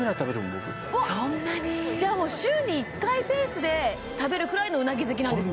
じゃあもう週に１回ペースで食べるくらいのうなぎ好きなんですね？